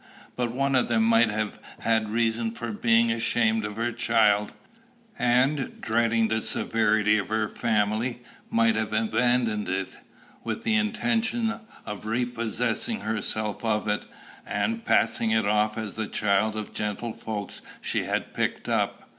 But one of them might have had reason for being ashamed of her child, and, dreading the severity of her family, might have abandoned it, with the intention of repossessing herself of it, and passing it off as the child of gentlefolks she had picked up.